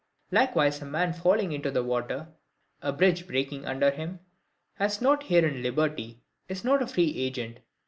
Likewise a man falling into the water, (a bridge breaking under him,) has not herein liberty, is not a free agent.